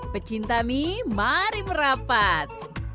percinta mie mari berapat